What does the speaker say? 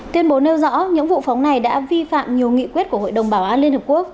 tuyên bố nêu rõ những vụ phóng này đã vi phạm nhiều nghị quyết của hội đồng bảo an liên hợp quốc